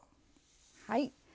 はい。